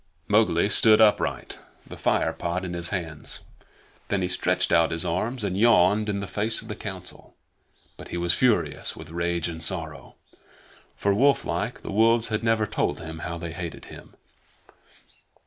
Mowgli stood upright the fire pot in his hands. Then he stretched out his arms, and yawned in the face of the Council; but he was furious with rage and sorrow, for, wolflike, the wolves had never told him how they hated him.